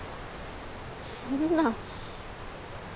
そんな。